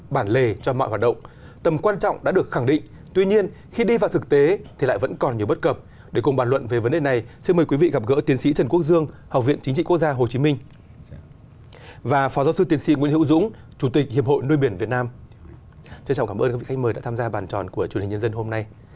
xin chào và cảm ơn các vị khách mời đã tham gia bàn tròn của truyền hình nhân dân hôm nay